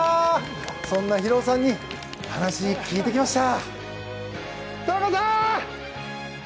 そんな博男さんに話を聞いてきました。